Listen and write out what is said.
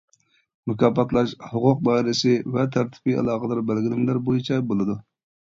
مۇكاپاتلاش ھوقۇق دائىرىسى ۋە تەرتىپى ئالاقىدار بەلگىلىمىلەر بويىچە بولىدۇ.